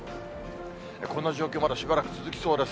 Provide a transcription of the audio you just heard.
こんな状況、まだしばらく続きそうです。